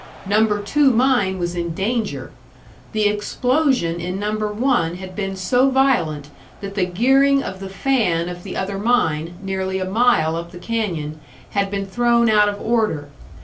Number Two Mine was in danger! The explosion in Number One had been so violent that the gearing of the fan of the other mine, nearly a mile up the canyon, had been thrown out of order.